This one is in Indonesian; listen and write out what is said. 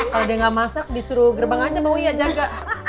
kalau dia gak masak disuruh gerbang aja mbak wiya jaga